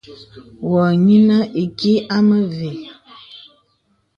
Wɔ̄ a yìaŋə ìkì a mə ve.